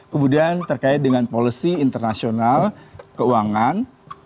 kemudian terkait dengan policy internasional keuangan